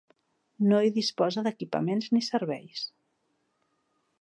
No hi disposa d'equipaments ni serveis.